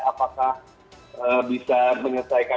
apakah bisa menyelesaikan